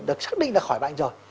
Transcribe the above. được xác định là khỏi bệnh rồi